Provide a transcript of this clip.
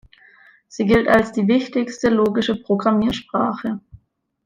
Sie gilt als die wichtigste logische Programmiersprache.